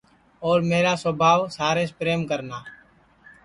اور میرا سوبھاو ساریںٚس پریم کرنا